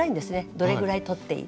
どれぐらい取っていい。